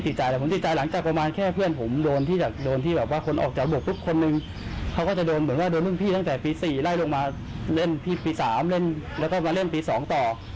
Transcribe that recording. พี่ว่าพี่ว่าพี่ว่าพี่ว่าพี่ว่าพี่ว่าพี่ว่าพี่ว่าพี่ว่าพี่ว่า